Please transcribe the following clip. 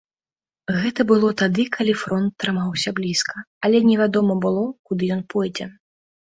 Гэта было тады, калі фронт трымаўся блізка, але невядома было, куды ён пойдзе.